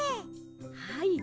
はい。